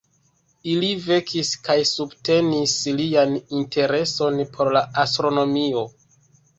Ili vekis kaj subtenis lian intereson por la astronomio.